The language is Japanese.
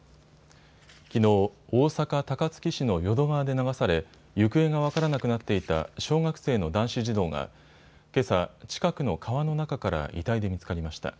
きのう、大阪高槻市の淀川で流され行方が分からなくなっていた小学生の男子児童がけさ、近くの川の中から遺体で見つかりました。